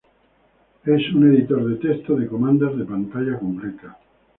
Es un editor de texto de comandos de pantalla completa.